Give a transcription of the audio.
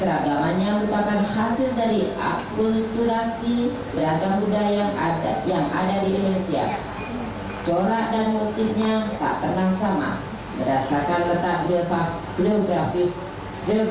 keragamannya merupakan hasil dari akulturasi beragam budaya yang ada di indonesia